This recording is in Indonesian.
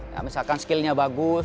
ya misalkan skill nya bagus